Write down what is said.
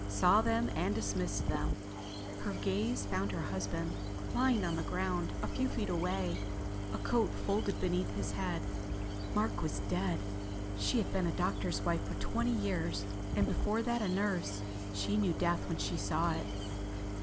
Saw them and dismissed them. Her gaze found her husband, lying on the ground a few feet away, a coat folded beneath his head. Mark was dead. She had been a doctor's wife for twenty years, and before that a nurse. She knew death when she saw it.